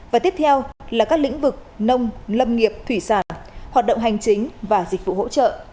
và tiếp theo là các lĩnh vực nông lâm nghiệp thủy sản hoạt động hành chính và dịch vụ hỗ trợ